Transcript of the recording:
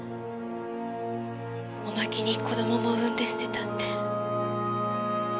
おまけに子供も産んで捨てたって。